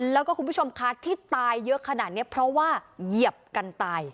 แล้วก็คุณผู้ชมคะที่ตายเยอะขนาดนี้เพราะว่าเหยียบกันตาย